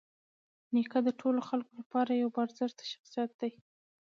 نیکه د ټولو خلکو لپاره یوه باارزښته شخصیت دی.